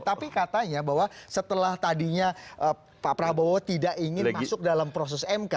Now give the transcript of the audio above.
tapi katanya bahwa setelah tadinya pak prabowo tidak ingin masuk dalam proses mk